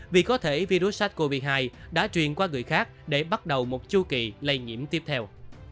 vì có thể virus sars cov hai đã truyền qua người khác để bắt đầu một chu kỳ lây nhiễm tiếp theo